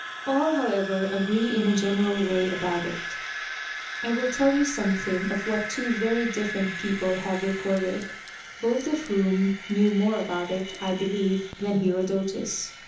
All, however, agree in a general way about it. I will tell you something of what two very different people have reported, both of whom knew more about it, I believe, than Herodotus.